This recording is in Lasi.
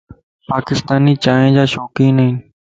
پاڪستاني چائن جا شوقين ائين.